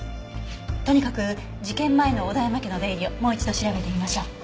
とにかく事件前の小田山家の出入りをもう一度調べてみましょう。